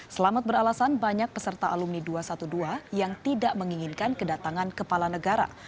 selamat beralasan banyak peserta alumni dua ratus dua belas yang tidak menginginkan kedatangan kepala negara